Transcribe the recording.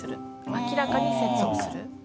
「明らかに説をする」。